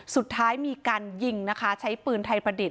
สุดท้ายมีการยิงนะคะใช้ปืนไทยประดิษฐ